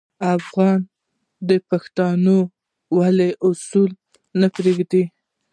افغان د پښتونولي اصول نه پرېږدي.